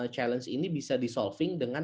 challenge ini bisa disolving dengan